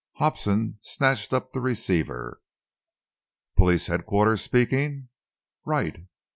Hobson snatched up the receiver. "Police headquarters speaking? Right!